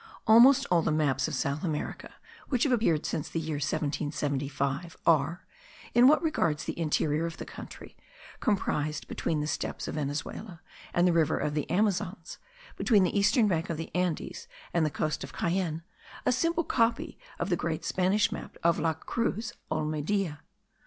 Almost all the maps of South America which have appeared since the year 1775 are, in what regards the interior of the country, comprised between the steppes of Venezuela and the river of the Amazons, between the eastern back of the Andes and the coast of Cayenne, a simple copy of the great Spanish map of La Cruz Olmedilla.